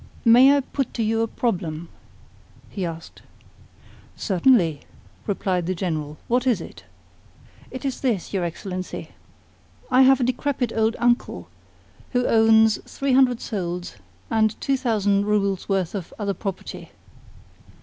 "May I put to you a problem?" he asked. "Certainly," replied the General. "What is it?" "It is this, your Excellency. I have a decrepit old uncle who owns three hundred souls and two thousand roubles worth of other property.